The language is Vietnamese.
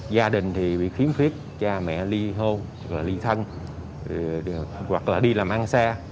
gia đình thì bị khiếm khuyết cha mẹ ly hôn hoặc ly thân hoặc là đi làm ăn xa